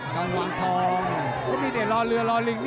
กะวันทอง